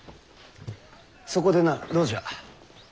そこでなどうじゃ？